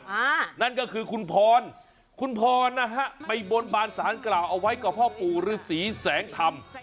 นั่นก็คือคุณพรคุณพรนะฮะไปบนบานสารกล่าวเอาไว้กับพ่อปู่ฤษีแสงธรรม